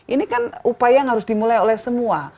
ini kan upaya yang harus dimulai oleh semua